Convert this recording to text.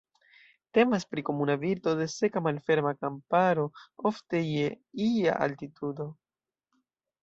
Temas pri komuna birdo de seka malferma kamparo, ofte je ia altitudo.